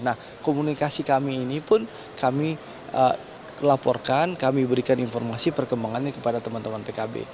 nah komunikasi kami ini pun kami laporkan kami berikan informasi perkembangannya kepada teman teman pkb